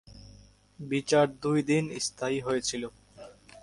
বিচার দুই দিন স্থায়ী হয়েছিল।